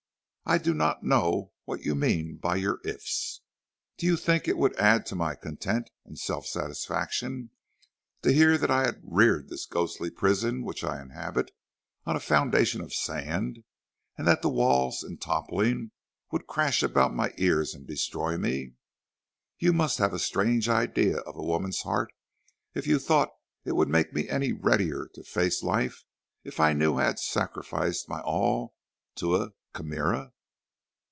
"I don't know what you mean by your ifs. Do you think it would add to my content and self satisfaction to hear that I had reared this ghastly prison which I inhabit on a foundation of sand, and that the walls in toppling would crash about my ears and destroy me? You must have a strange idea of a woman's heart, if you thought it would make me any readier to face life if I knew I had sacrificed my all to a chimera."